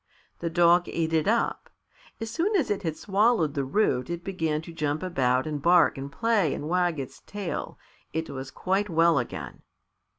The dog ate it up. As soon as it had swallowed the root it began to jump about and bark and play and wag its tail. It was quite well again.